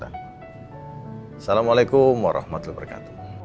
assalamualaikum warahmatullahi wabarakatuh